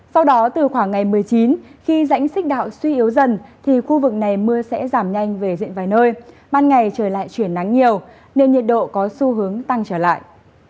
sau đó từ khoảng ngày một mươi chín khi rãnh xích đạo suy yếu dần thì khu vực này mưa sẽ giảm nhanh về diện vài nơi ban ngày trời lại chuyển nắng nhiều nên nhiệt độ có xu hướng tăng trở lại